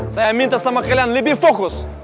saya minta sama kalian lebih fokus